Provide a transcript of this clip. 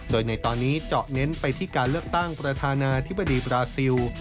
โดยในตอนนี้เจาะเน้นไปที่การเลือกตั้งประธานาธิบดีบราซิล